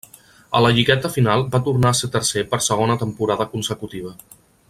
A la lligueta final va tornar a ser tercer per segona temporada consecutiva.